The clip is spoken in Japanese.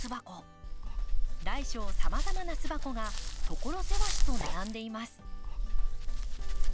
大小さまざまな巣箱が所狭しと並んでいます。